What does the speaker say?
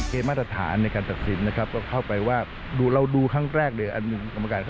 เกมส์มาตรฐานในการตรักษีมันไปเข้าไปว่าเราดูครั้งแรกเลยอันหนึ่งอุทธิ์ประกอบต่อมาก่อน